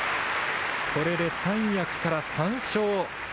これで三役から３勝。